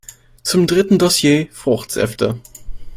Zum dritten Dossier, Fruchtsäfte.